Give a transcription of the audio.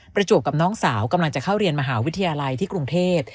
ประจวบกับน้องสาวกำลังจะเข้าเรียนมหาวิทยาลัยที่กรุงเทพ